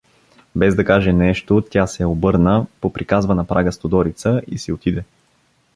Без да каже нещо, тя се обърна, поприказва на прага с Тодорица и си отиде.